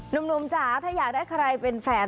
หนุ่มจ๋าถ้าอยากได้ใครเป็นแฟน